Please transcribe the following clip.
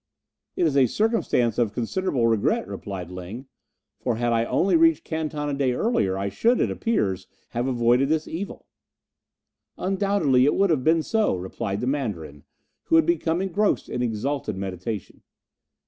"It is a circumstance of considerable regret," replied Ling; "for had I only reached Canton a day earlier, I should, it appears, have avoided this evil." "Undoubtedly it would have been so," replied the Mandarin, who had become engrossed in exalted meditation.